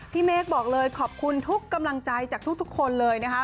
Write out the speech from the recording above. เมฆบอกเลยขอบคุณทุกกำลังใจจากทุกคนเลยนะคะ